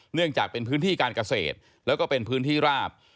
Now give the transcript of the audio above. เนื่องจากเป็นพื้นที่การเกษตรแล้วก็เป็นพื้นที่ราบ